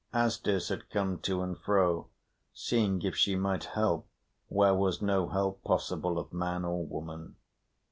Asdis had come to and fro, seeing if she might help, where was no help possible of man or woman.